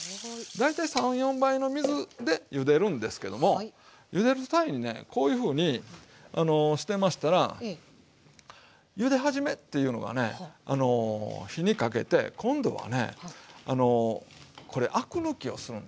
大体３４倍の水でゆでるんですけどもゆでる際にねこういうふうにしてましたらゆで始めっていうのがね火にかけて今度はねこれアク抜きをするんですよ。